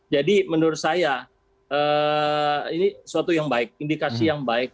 jadi menurut saya ini suatu yang baik indikasi yang baik